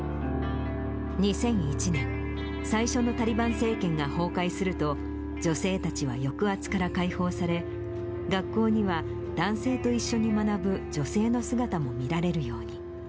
２００１年、最初のタリバン政権が崩壊すると、女性たちは抑圧から解放され、学校には男性と一緒に学ぶ女性の姿も見られるように。